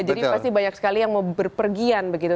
jadi pasti banyak sekali yang mau berpergian begitu